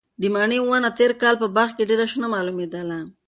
د مڼې ونه تېر کال په باغ کې ډېره شنه معلومېدله.